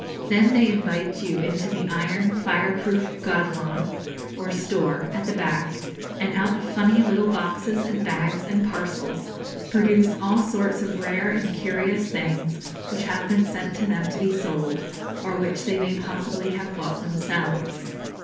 Then they invite you into the iron fire proof 'godown' or store, at the back, and out of funny little boxes and bags and parcels produce all sorts of rare and curious things which have been sent to them to be sold, or which they may possibly have bought themselves.